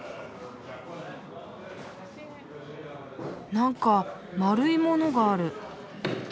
なんか円いものがある。